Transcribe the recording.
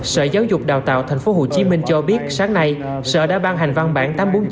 sở giáo dục đào tạo tp hcm cho biết sáng nay sở đã ban hành văn bản tám trăm bốn mươi chín